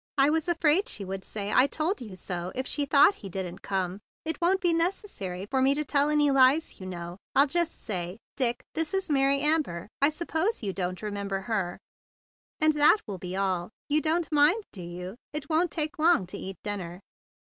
I was afraid she would say, T told you so' if she thought he didn't come. It 26 THE BIG BLUE SOLDIER won't be necessary for me to tell any lies, you know. I'll just say, 'Dick, this is Mary Amber; I suppose you don't remember her,' and that'll be all. You don't mind, do you? It won't take long to eat dinner."